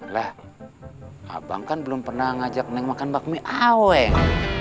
lah abang kan belum pernah ngajak neng makan bakmi aweng